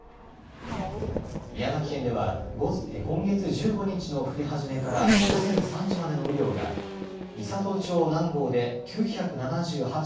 宮崎県では今月１５日の降り始めから午前３時までの雨量が美郷町南郷で９７８．５ミリ。